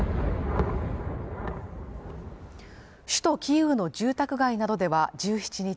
首都キーウの住宅街などでは１７日